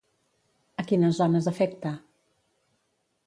A quines zones afecta?